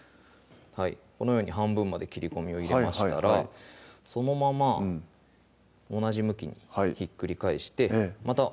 このように半分まで切り込みを入れましたらそのまま同じ向きにひっくり返してまた